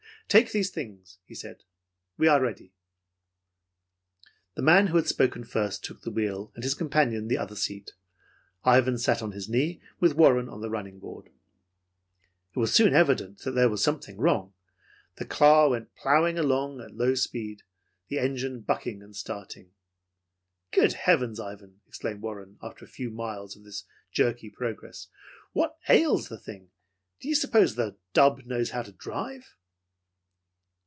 "Take these things," he said. "We are ready!" The man who had spoken first took the wheel, and his companion the other seat. Ivan sat on his knee, with Warren on the running board. It was soon evident that there was something wrong. The car went plowing along on low speed, the engine bucking and starting. "Good heavens, Ivan!" exclaimed Warren, after a few miles of this jerky progress. "What ails the thing? Do you suppose the dub knows how to drive?"